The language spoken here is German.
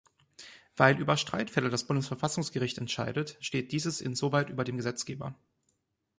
Weil über Streitfälle das Bundesverfassungsgericht entscheidet, steht dieses insoweit über dem Gesetzgeber.